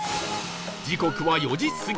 時刻は４時過ぎ